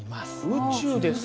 宇宙ですか。